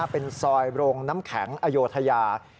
เป็นซอยโรงน้ำแข็งอโยธยา